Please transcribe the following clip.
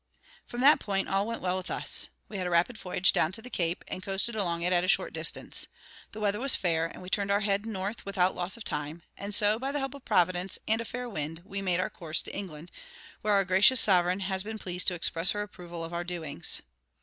"From that point all went well with us. We had a rapid voyage down to the Cape, and coasted along it at a short distance. The weather was fair, and we turned our head north without loss of time; and so, by the help of Providence, and a fair wind, we made our course to England, where our gracious sovereign has been pleased to express her approval of our doings.